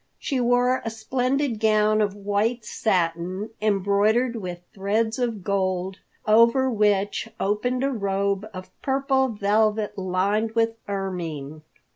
She wore a splendid gown of white satin, embroidered with threads of gold, over which opened a robe of purple velvet lined with ermine.